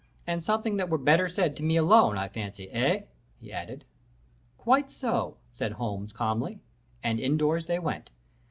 'And something that were better said to me alone, I fancy, eh?' he added. "'Quite so,' said Holmes, calmly. And in doors they went.